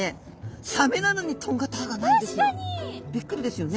びっくりですよね。